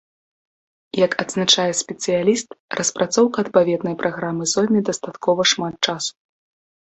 Як адзначае спецыяліст, распрацоўка адпаведнай праграмы зойме дастаткова шмат часу.